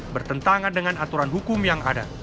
bertentangan dengan aturan hukum yang ada